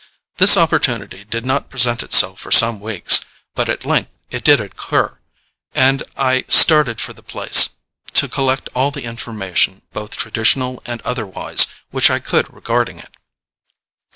This opportunity did not present itself for some weeks; but at length it did occur, and I started for the place, to collect all the information, both traditional and otherwise, which I could regarding it.